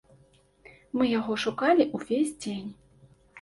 Мы яго шукалі увесь дзень.